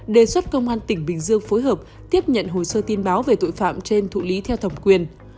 đề xuất công an tỉnh bình dương phối hợp tiếp nhận hồ sơ tin báo về tội phạm trên thụ lý theo thẩm quyền